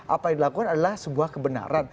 apa yang dilakukan adalah sebuah kebenaran